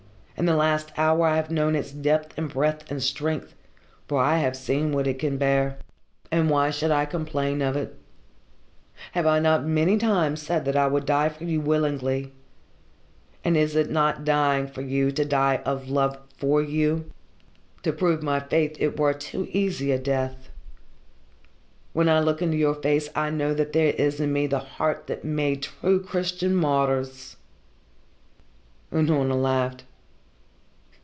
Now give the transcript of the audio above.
In the last hour I have known its depth and breadth and strength, for I have seen what it can bear. And why should I complain of it? Have I not many times said that I would die for you willingly and is it not dying for you to die of love for you? To prove my faith it were too easy a death. When I look into your face I know that there is in me the heart that made true Christian martyrs " Unorna laughed.